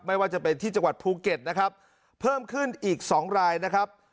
ไม่ว่าจะเป็นที่จังหวัดภูเก็ตนะครับเพิ่มขึ้นอีก๒รายนะครับ